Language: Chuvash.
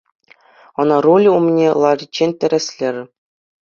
Ӑна руль умне лариччен тӗрӗслӗр.